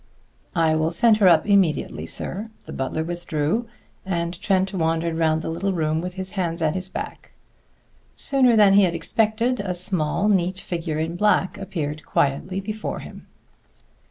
"I will send her up immediately, sir." The butler withdrew, and Trent wandered round the little room with his hands at his back. Sooner than he had expected, a small, neat figure in black appeared quietly before him.